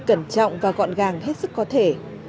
cẩn trọng và gọn gàng hết sức có thể